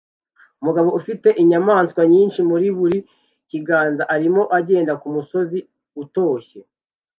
Umugabo ufite inyamaswa nyinshi muri buri kiganza arimo agenda kumusozi utoshye